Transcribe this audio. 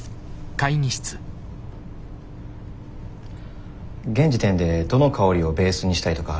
現時点でどの香りをベースにしたいとかありますか？